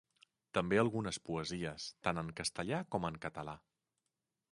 També algunes poesies, tant en castellà com en català.